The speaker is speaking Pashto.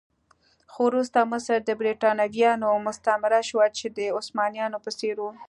خو وروسته مصر د برېټانویانو مستعمره شو چې د عثمانيانو په څېر و.